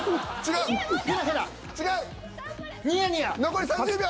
残り３０秒。